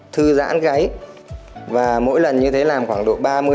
thư giãn gái và mỗi lần như thế làm khoảng độ ba mươi năm mươi lượt